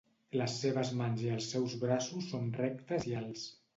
Les seves mans i els seus braços són rectes i alts.